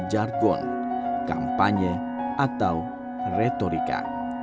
jargon kampanye atau retorika